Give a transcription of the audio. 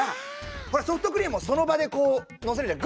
ほらソフトクリームはその場でこうのせるじゃん。